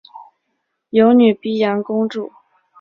有女沘阳公主。